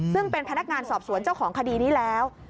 ซึ่งเป็นพนักงานสอบสวนเจ้าของคดีนี้แล้ว